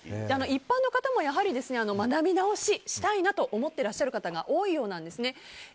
一般の方も学び直ししたいなと思っていらっしゃる方が多いようなんですね。